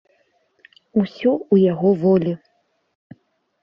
Усё ў яго волі.